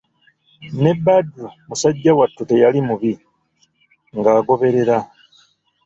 Ne Badru musajja wattu teyali mubi, ng'agoberera.